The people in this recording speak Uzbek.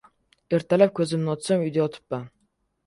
Ertalab ko‘zimni ochsam, uyda yotibman.